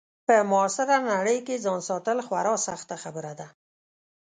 په معاصره نړۍ کې ځان ساتل خورا سخته خبره ده.